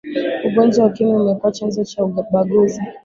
ugonjwa wa ukimwi umekuwa chanzo cha ubaguzi